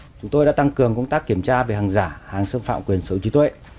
chúng tôi đã tăng cường công tác kiểm tra về hàng giả hàng xâm phạm quyền số trí tuệ